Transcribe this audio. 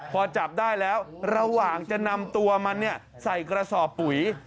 พอจับได้แล้วระหว่างจะนำตัวมันใส่กระสอบปุ๋ย